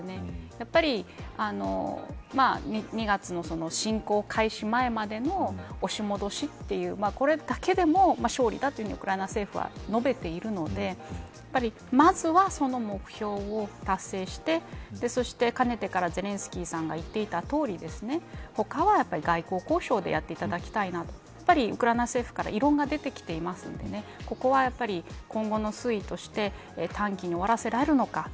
やっぱり２月の侵攻開始前までの押し戻しというこれだけでも勝利とウクライナ政府は述べているのでやはりまずは、その目標を達成してそして、かねてからゼレンスキーさんが言っていたとおり他は外交交渉でやっていただきたいなとやはりウクライナ政府から異論が出てきているのでここはやっぱり今後の推移として短期に終わらせられるのか。